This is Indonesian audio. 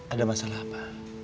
ada masalah apa